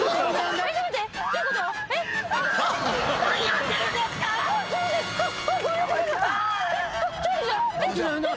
大丈夫ですか？